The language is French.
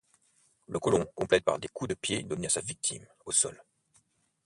Le colon complète par des coups de pied donnés à sa victime, au sol.